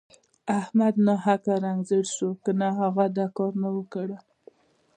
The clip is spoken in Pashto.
احمد ناحقه رنګ ژړی شو که نه هغه دا کار نه وو کړی.